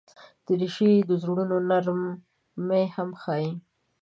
دریشي د زړونو نرمي هم ښيي.